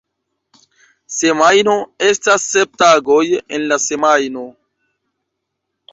Semajno: estas sep tagoj en la semajno.